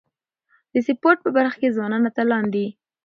د سپورټ په برخه کي ځوانان اتلان دي.